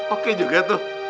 oke juga tuh